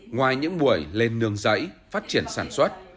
ngoài những buổi lên nường dãy phát triển sản xuất